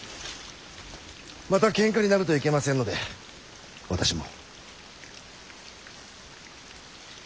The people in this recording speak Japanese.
またけんかになるといけませんので私も。